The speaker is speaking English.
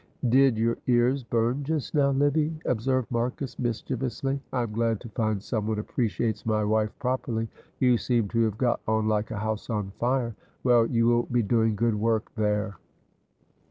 "Did your ears burn just now, Livy," observed Marcus, mischievously. "I am glad to find someone appreciates my wife properly; you seem to have got on like a house on fire; well, you will be doing good work there."